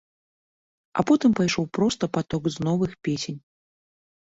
А потым пайшоў проста паток з новых песень!